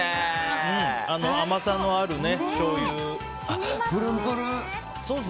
甘さのあるしょうゆで。